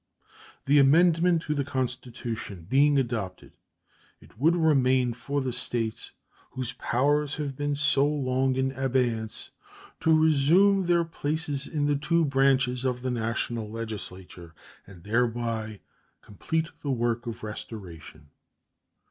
The amendment to the Constitution being adopted, it would remain for the States whose powers have been so long in abeyance to resume their places in the two branches of the National Legislature, and thereby complete the work of restoration.